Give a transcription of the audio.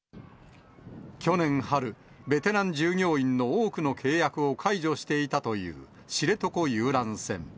去年春、ベテラン従業員の多くの契約を解除していたという知床遊覧船。